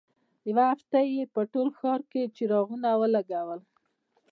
یوه هفته یې په ټول ښار کې څراغونه ولګول.